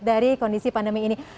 dari kondisi pandemi ini